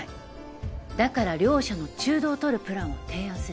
だから両者の中道をとるプランを提案すればいい